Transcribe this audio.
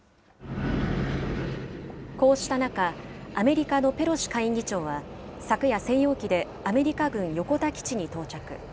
こうした中、アメリカのペロシ下院議長は、昨夜専用機でアメリカ軍横田基地に到着。